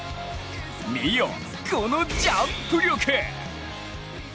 見よ、このジャンプ力！